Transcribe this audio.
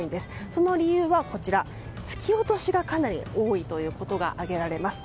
その理由は、突き落としがかなり多いことが挙げられます。